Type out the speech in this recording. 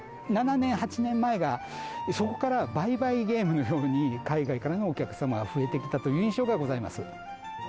７年、８年前が、そこから倍々ゲームのように、海外からのお客様が増えてきたという印象がございます。